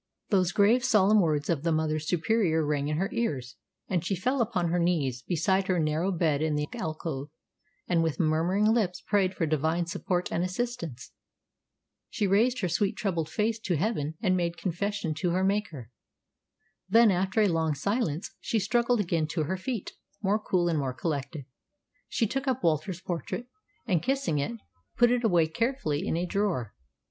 Those grave, solemn words of the Mother Superior rang in her ears, and she fell upon her knees beside her narrow bed in the alcove, and with murmuring lips prayed for divine support and assistance. She raised her sweet, troubled face to heaven and made confession to her Maker. Then, after a long silence, she struggled again to her feet, more cool and more collected. She took up Walter's portrait, and, kissing it, put it away carefully in a drawer.